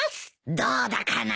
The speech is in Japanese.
どうだかな。